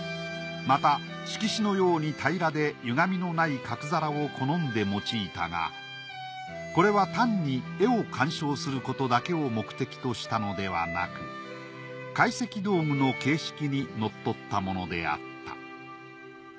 また色紙のように平らでゆがみのない角皿を好んで用いたがこれは単に絵を鑑賞することだけを目的としたのではなく懐石道具の形式にのっとったものであった。